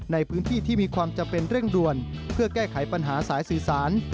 ในพื้นที่ที่มีความจำเป็นเร่งด่วนเพื่อแก้ไขปัญหาสายสื่อสาร